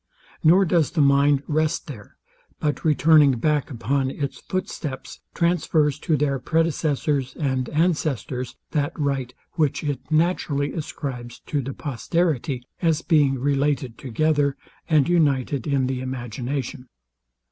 Nor does the mind rest there; but returning back upon its footsteps, transfers to their predecessors and ancestors that right, which it naturally ascribes to the posterity, as being related together, and united in the imagination.